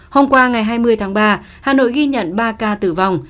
hôm qua ngày hai mươi tháng ba hà nội ghi nhận ba ca tử vong